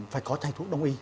phải có thay thuốc đồng ý